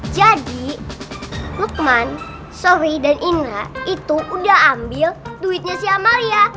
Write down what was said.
jadi rukman sofi dan indra itu udah ambil duitnya si amalia